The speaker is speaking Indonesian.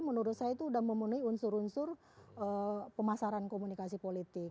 menurut saya itu sudah memenuhi unsur unsur pemasaran komunikasi politik